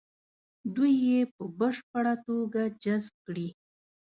دوی یې په بشپړه توګه جذب کړي.